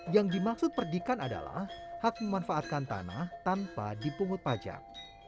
yang dimaksud perdikan adalah hak memanfaatkan tanah tanpa dipungut pajak